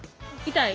痛い？